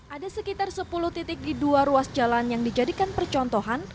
ada sekitar sepuluh titik di dua ruas jalan yang dijadikan percontohan